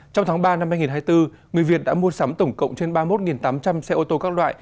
trong tháng ba năm hai nghìn hai mươi bốn người việt đã mua sắm tổng cộng trên ba mươi một tám trăm linh xe ô tô các loại